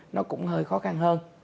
nó cũng hơi khó khăn hơn